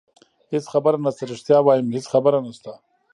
هېڅ خبره نشته، رښتیا وایم هېڅ خبره نشته.